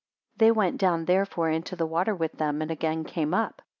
158 They went down therefore into the water with them, and again came up.